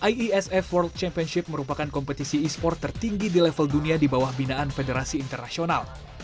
iesf world championship merupakan kompetisi e sport tertinggi di level dunia di bawah binaan federasi internasional